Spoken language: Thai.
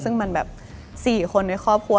ซึ่งมันแบบ๔คนในครอบครัว